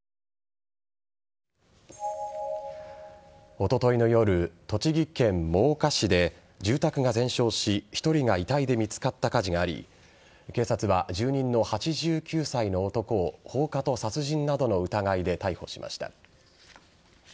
おとといの夜栃木県真岡市で住宅が全焼し１人が遺体で見つかった火事があり警察は住人の８９歳の男を放火と殺人などの疑いで逮捕しました。